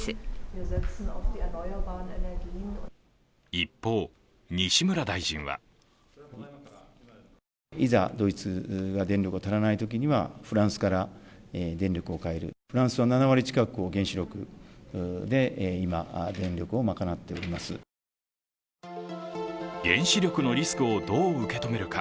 一方、西村大臣は原子力のリスクをどう受け止めるか。